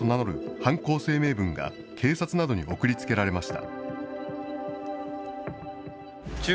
犯行声明文が警察などに送りつけられました。